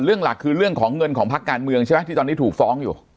หลักคือเรื่องของเงินของพักการเมืองใช่ไหมที่ตอนนี้ถูกฟ้องอยู่